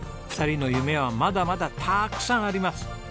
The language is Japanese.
２人の夢はまだまだたくさんあります。